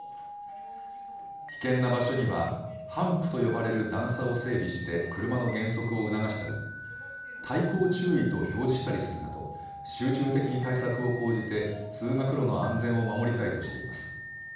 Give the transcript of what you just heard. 危険な場所にはハンプと呼ばれる段差を整備して車の減速を促したり、対向注意と表示したりするなど、集中的に対策を講じて、通学路の安全を守りたいとしています。